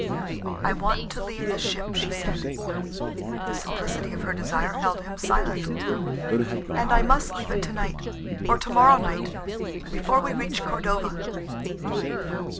"I want to leave the ship," she said. The simplicity of her desire held him silent. "And I must leave it tonight, or tomorrow night—before we reach Cordova."